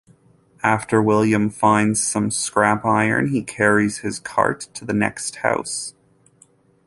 After William finds some scrap iron he carries his cart to the next house.